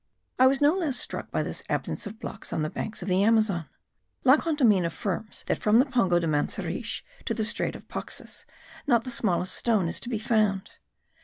I was no less struck by this absence of blocks on the banks of the Amazon. La Condamine affirms that from the Pongo de Manseriche to the Strait of Pauxis not the smallest stone is to be found.